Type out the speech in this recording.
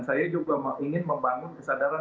saya juga ingin membangun kesadaran